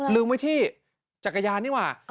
ลืมไว้ที่จักรยานนี่หว่า